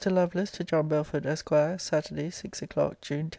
LOVELACE, TO JOHN BELFORD, ESQ. SATURDAY, SIX O'CLOCK, JUNE 10.